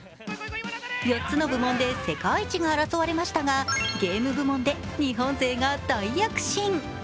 ４つの部門で世界一が争われましたが、ゲーム部門で日本勢が大躍進。